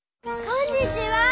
こんにちは！